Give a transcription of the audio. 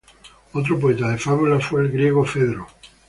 Otro poeta de fábulas fue el griego Fedro.